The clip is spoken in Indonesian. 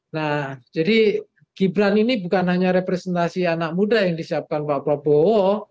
nah jadi gibran ini bukan hanya representasi anak muda yang disiapkan pak prabowo